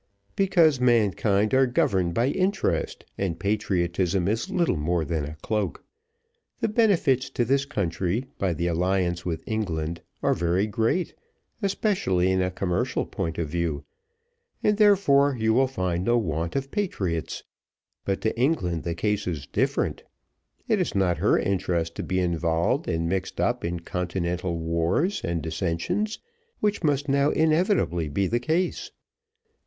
"Because mankind are governed by interest, and patriotism is little more than a cloak. The benefits to this country, by the alliance with England, are very great, especially in a commercial point of view, and therefore you will find no want of patriots; but to England the case is different; it is not her interest to be involved and mixed up in continental wars and dissensions, which must now inevitably be the case.